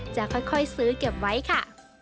จะค่อยซื้อเก็บไว้ค่ะ